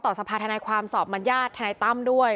ต่อสภาทนายความสอบมัญญาติทนายตั้มด้วย